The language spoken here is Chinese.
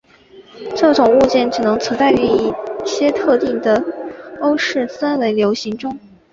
这种物件只能存在于一些特定的欧氏三维流形中。